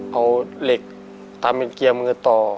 เอาเหล็กทำเป็นเกียร์มือต่อ